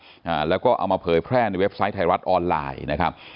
อ่าแล้วก็เอามาเผยแพร่ในเว็บไซต์ไทยรัฐออนไลน์นะครับ